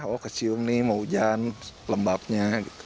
oh kecium nih mau hujan lembabnya gitu